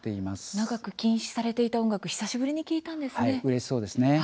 長く禁止されていた音楽を久しぶりに聴いたんですね。